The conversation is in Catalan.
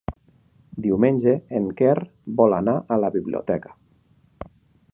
Diumenge en Quer vol anar a la biblioteca.